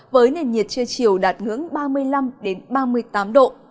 với nền nhiệt chưa chiều đạt ngưỡng ba mươi năm ba mươi tám độ